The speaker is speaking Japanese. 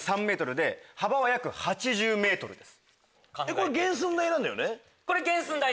これ原寸大なんだよね？